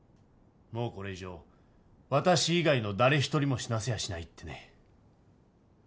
もうこれ以上私以外の誰一人も死なせやしないってね。